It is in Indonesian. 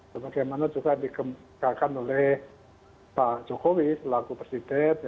sebagaimana juga dikemukakan oleh pak jokowi selaku presiden